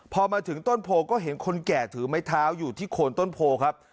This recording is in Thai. พอมาถึงต้นโพก็เห็นคนแก่ถือไม้เท้าอยู่ที่โคนต้นโพครับ